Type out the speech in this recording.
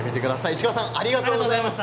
石川さんありがとうございました。